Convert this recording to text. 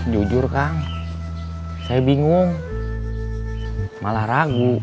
jujur kang saya bingung malah ragu